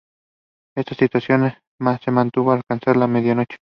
Esta situación se mantuvo alcanzada la medianoche.